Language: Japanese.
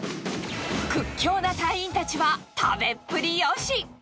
屈強な隊員たちは食べっぷりよし。